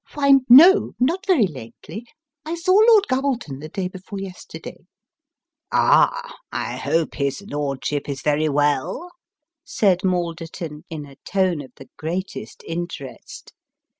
" Why, no not very lately. I saw Lord Gubbleton the day before yesterday." " Ah ! I hope his lordship is very well ?" said Malderton, in a tone of the greatest interest.